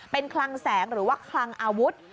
เป็นคลังแสงหรือว่าคลังอาวุธ